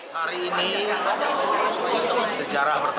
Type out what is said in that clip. hari ini sejarah berbeda